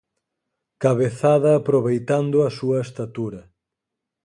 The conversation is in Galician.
Cabezada aproveitando a súa estatura.